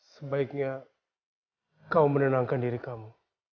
sebaiknya kau menenangkan diri kamu